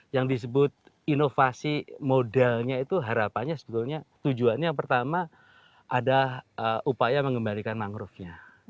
yang disebut inovasi modalnya itu harapannya sebetulnya tujuannya yang pertama ada upaya mengembalikan mangrovenya